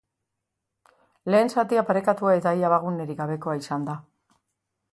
Lehen zatia parekatua eta ia abagunerik gabekoa izan da.